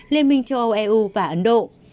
liên minh châu âu eu và ấn độ